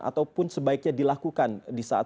ataupun sebaiknya dilakukan di saat